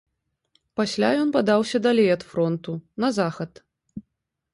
Пасля ён падаўся далей ад фронту, на захад.